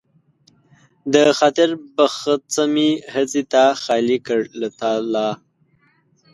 د خاطر بخڅه مې هسې تا خالي کړ له تالا